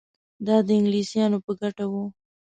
دا د انګلیسیانو په ګټه وه.